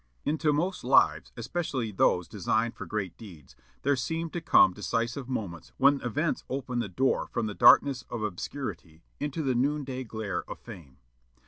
Into most lives, especially those designed for great deeds, there seem to come decisive moments when events open the door from the darkness of obscurity into the noonday glare of fame.